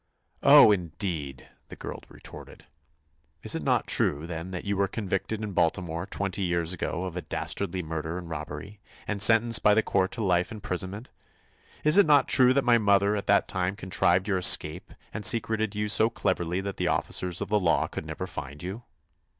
"Oh, indeed!" the girl retorted. "Is it not true, then, that you were convicted in Baltimore, twenty years ago, of a dastardly murder and robbery, and sentenced by the court to life imprisonment? Is it not true that my mother at that time contrived your escape and secreted you so cleverly that the officers of the law could never find you?"